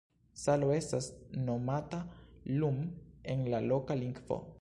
Salo estas nomata "Lun" en la loka lingvo.